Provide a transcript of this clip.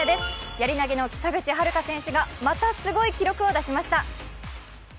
やり投げの北口榛花選手がまたすごい記録を出しました。